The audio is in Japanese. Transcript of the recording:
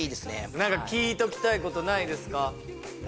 何か聞いときたいことないですか？